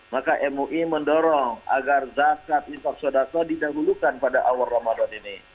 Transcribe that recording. maka mui mendorong agar zakat infak sodako didahulukan pada awal ramadan ini